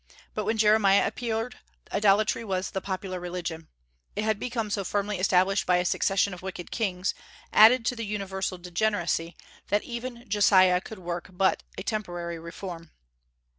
But when Jeremiah appeared, idolatry was the popular religion. It had become so firmly established by a succession of wicked kings, added to the universal degeneracy, that even Josiah could work but a temporary reform.